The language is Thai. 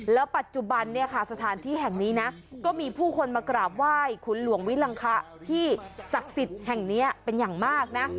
แล้วปัจจุบันเนี่ยค่ะสถานที่แห่งนี้นะก็มีผู้คนมากราบไหว้ขุนหลวงวิลังคะที่ศักดิ์สิทธิ์แห่งนี้เป็นอย่างมากนะ